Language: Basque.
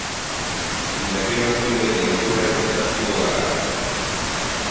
Berriro hazkunde egonkorrean sartuko gara.